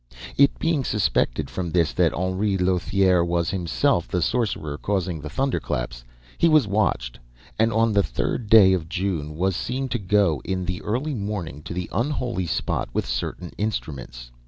"It being suspected from this that Henri Lothiere was himself the sorcerer causing the thunderclaps, he was watched and on the third day of June was seen to go in the early morning to the unholy spot with certain instruments.